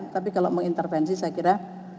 tapi kalau mengintervensi saya kira